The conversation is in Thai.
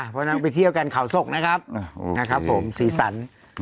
พวกน้องไปเที่ยวกันขาวศกนะครับสีสัน